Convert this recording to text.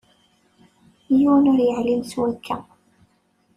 Yiwen ur yeεlim s wakka.